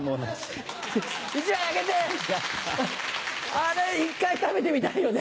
あれ一回食べてみたいよね。